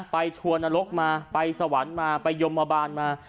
ทัวร์นรกมาไปสวรรค์มาไปยมมาบาลมา